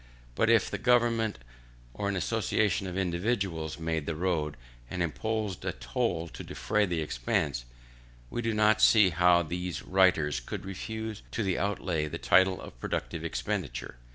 But if the government, or an association of individuals, made the road, and imposed a toll to defray the expense, we do not see how these writers could refuse to the outlay the title of productive expenditure.